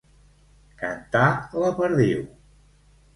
Cantar la perdiu.